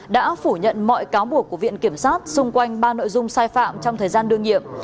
đã phủ nhận mọi cáo buộc của viện kiểm sát xung quanh ba nội dung sai phạm trong thời gian đương nhiệm